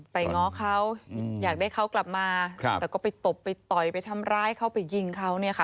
ง้อเขาอยากได้เขากลับมาแต่ก็ไปตบไปต่อยไปทำร้ายเขาไปยิงเขาเนี่ยค่ะ